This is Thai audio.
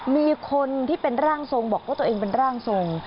มีคนที่เป็นร่างทรงบอกว่าตัวเองเป็นร่างทรง